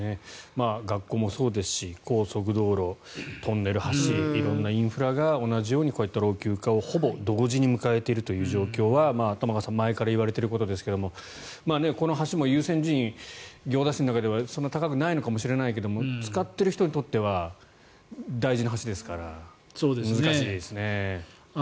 学校もそうですし高速道路、トンネル、橋色んなインフラが同じようにこういった老朽化をほぼ同時に迎えているという状況は玉川さん前から言われていることですがこの橋も優先順位行田市の中ではそんなに高くないのかもしれないけど使っている人にとっては大事な橋ですから難しいですね。